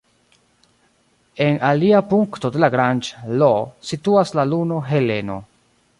En la alia punkto de Lagrange, L, situas la luno Heleno.